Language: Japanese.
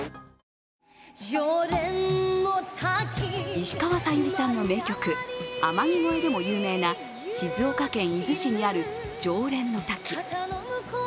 石川さゆりさんの名曲「天城越え」でも有名な静岡県伊豆市にある浄蓮の滝。